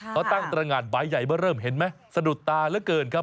เขาตั้งตรงานบายใหญ่มาเริ่มเห็นไหมสะดุดตาเหลือเกินครับ